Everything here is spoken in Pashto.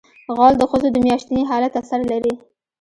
غول د ښځو د میاشتني حالت اثر لري.